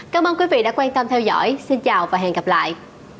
cảm ơn quý vị đã quan tâm theo dõi xin chào và hẹn gặp lại